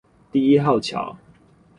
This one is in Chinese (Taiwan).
第一號橋